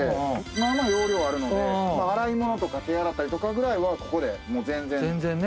まあまあ容量あるので洗い物とか手洗ったりとかくらいはここで全然。